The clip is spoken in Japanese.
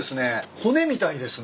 骨みたいですね。